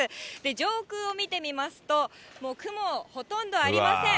上空を見てみますと、雲、ほとんどありません。